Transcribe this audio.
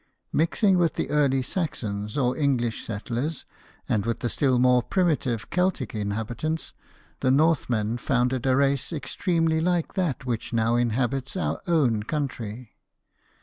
Mixing with the early Saxon or English settlers, and with the still more primitive Celtic inhabi tants, the Northmen founded a race extremely like that which now inhabits our own country.